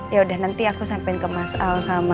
yaudah nanti aku sampein ke mas al sama